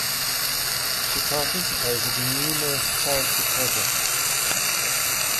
She participated in numerous charity projects.